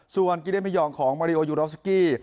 ส่วนกิเล็นต์พิยองของมาริโอยูโรฟซิกกี้